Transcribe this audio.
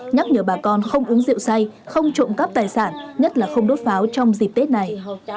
nhắc nhở bà con không uống rượu say không trộm cắp tài sản nhất là không đốt pháo trong dịp tết này